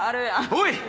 おい！